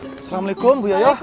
assalamualaikum bu yoyo